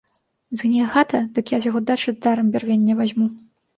Згніе хата, дык я з яго дачы дарам бярвення вазьму.